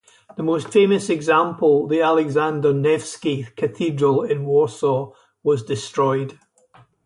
The most famous example, the Alexander Nevsky Cathedral in Warsaw was destroyed.